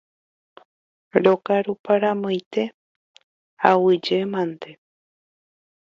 Rokaruparamoite, aguyjemante.